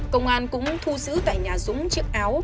công an cũng thu giữ tại nhà dũng chiếc áo